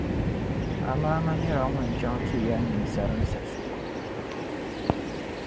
Amaama nyɛla ŋun chaŋ ti ya ninsarinsi shikuru.